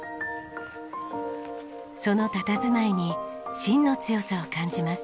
そのたたずまいに芯の強さを感じます。